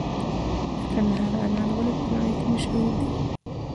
د کندهار انار ولې په نړۍ کې مشهور دي؟